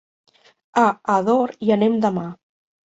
A Ador hi anem demà.